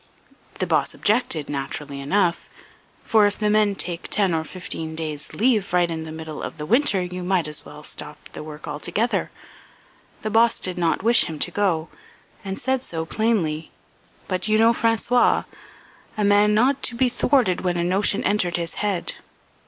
The boss objected, naturally enough; for if the men take ten or fifteen days' leave right in the middle of the winter you might as well stop the work altogether. The boss did not wish him to go and said so plainly; but you know François a man not be thwarted when a notion entered his head.